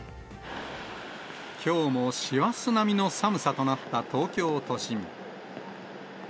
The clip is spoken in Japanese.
きょうも師走並みの寒さとなった東京都心。